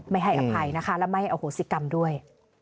ไม่ให้อภัยนะคะและไม่อโหสิกรรมด้วย